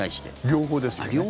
両方ですよね。